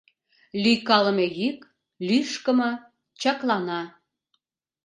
Лӱйкалыме йӱк, лӱшкымӧ чаклана.